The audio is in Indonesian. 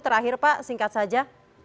terakhir pak singkat saja